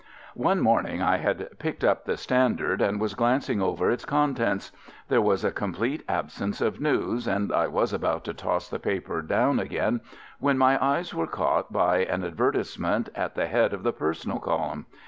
One morning I had picked up the Standard and was glancing over its contents. There was a complete absence of news, and I was about to toss the paper down again, when my eyes were caught by an advertisement at the head of the personal column.